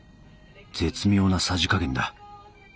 絶妙なさじ加減だ。